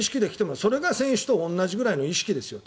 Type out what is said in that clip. それが選手と同じ意識ですよ。